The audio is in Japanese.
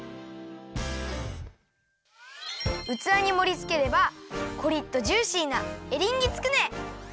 うつわにもりつければコリッとジューシーなエリンギつくね！